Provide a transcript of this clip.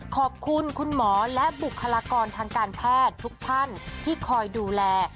ขอบคุณคุณหมอและบุคลากรทางการแพทย์ทุกท่านที่คอยดูแล